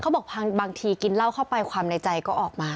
บางทีกินเหล้าเข้าไปความในใจก็ออกมา